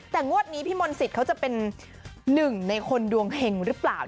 แต่งวดนี้พี่มนต์สิทธิ์เขาจะเป็นหนึ่งในคนดวงเห็งหรือเปล่า